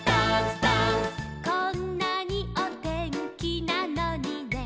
「こんなにお天気なのにね」